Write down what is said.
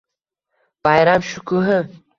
Bayram shukuhi